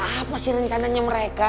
apa sih rencananya mereka